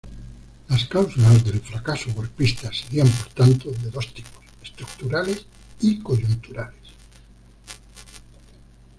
Las causas del fracaso golpista serían, por tanto, de dos tipos: estructurales y coyunturales.